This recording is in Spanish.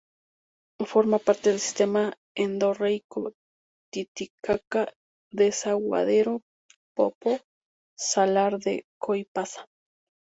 Forma parte del Sistema endorreico Titicaca-Desaguadero-Poopó-Salar de Coipasa.